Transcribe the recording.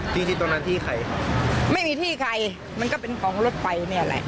จริงจริงตรงนั้นที่ใครครับไม่มีที่ใครมันก็เป็นกล่องรถไฟเนี้ยแหละ